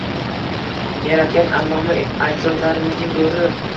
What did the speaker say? Yaratgan alloma ajdodlarimizning ruhi